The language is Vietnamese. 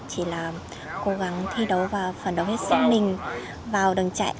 chỉ là cố gắng thi đấu và phản đấu hết sức mình vào đường chạy